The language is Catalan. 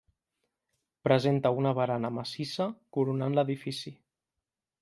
Presenta una barana massissa coronant l'edifici.